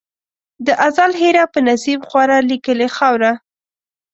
د ازل هېره په نصیب خواره لیکلې خاوره